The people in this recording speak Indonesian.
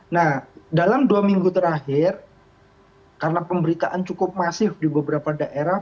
nah dalam dua minggu terakhir karena pemberitaan cukup masif di beberapa daerah